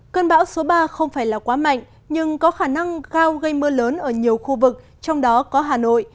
cơn bão số ba không phải là quá mạnh nhưng có khả năng cao gây mưa lớn ở nhiều khu vực trong đó có hà nội